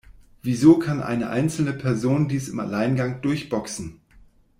Wieso kann eine einzelne Person dies im Alleingang durchboxen?